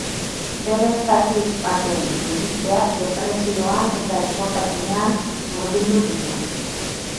Bere zati baten suntsitzeak depresioan eta ezkortasunean murgildu ditu.